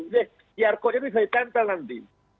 ya qr code nya itu bisa ditempel nanti